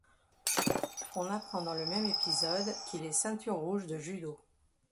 On apprend dans le même épisode qu'il est ceinture rouge de judo.